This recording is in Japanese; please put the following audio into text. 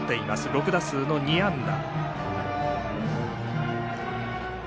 ６打数の２安打。